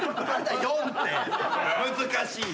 難しい。